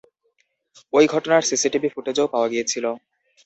ওই ঘটনার সিসিটিভি ফুটেজও পাওয়া গিয়েছিল।